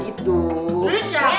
ini siapa dong